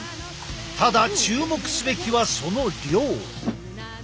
ただ注目すべきはその量。